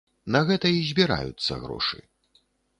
На гэта і збіраюцца грошы.